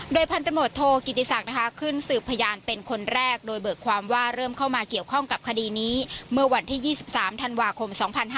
โดยพันธมตโทกิติศักดิ์ขึ้นสืบพยานเป็นคนแรกโดยเบิกความว่าเริ่มเข้ามาเกี่ยวข้องกับคดีนี้เมื่อวันที่๒๓ธันวาคม๒๕๕๙